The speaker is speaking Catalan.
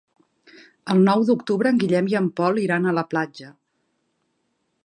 El nou d'octubre en Guillem i en Pol iran a la platja.